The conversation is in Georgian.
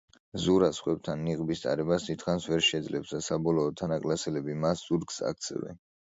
ზურა სხვებთან ნიღბის ტარებას დიდხანს ვერ შეძლებს და საბოლოოდ, თანაკლასელები მას ზურგს აქცევენ.